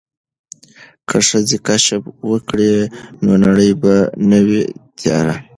که ښځې کشف وکړي نو نړۍ به نه وي تیاره.